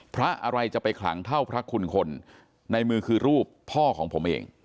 พระอะไรจะไปขลังเท่าพระคุณคนในมือคือรูปพ่อของผมเอง